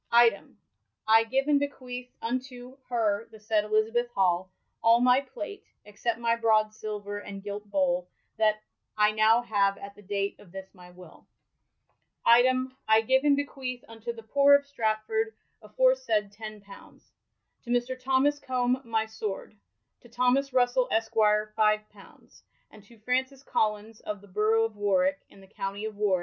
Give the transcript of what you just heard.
Item, I gyve and bequeath unto [her] the saied Elizabeth Hall, all my plate, eoccept iny brod silver and gilt bole^ that I now have att the date of this my will. Item, I aio T£XT OF SHAKSPERE'S WILL gyve and bequeath unto the poore of Stratford afore saied tenn poundes ; to Mr. Thomas Combe my sword ; to Thomas Russell esquier fyve poundes ; and to Frauncis GoUins, of the borough of Warp, in the countie of Warr.